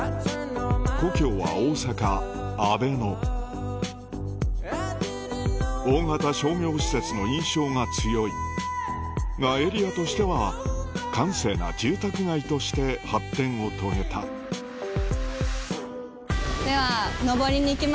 故郷は大型商業施設の印象が強いがエリアとしては閑静な住宅街として発展を遂げたでは。